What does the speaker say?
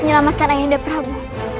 menyelamatkan ayah anda prabu